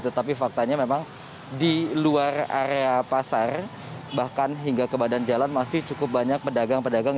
tetapi faktanya memang di luar area pasar bahkan hingga ke badan jalan masih cukup banyak pedagang pedagang